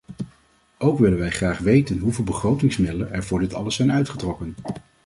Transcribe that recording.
Ook willen wij graag weten hoeveel begrotingsmiddelen er voor dit alles zijn uitgetrokken.